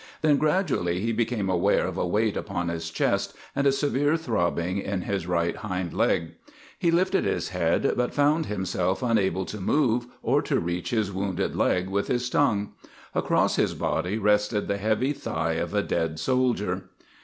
Then gradually he became aware of a weight upon his chest and a severe throbbing in his right hind leg. He lifted his head but found himself unable to move or to reach his wounded leg with his tongue. Across his body rested the heavy thigh of a dead soldier.